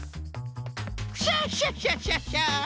クシャシャシャシャシャ！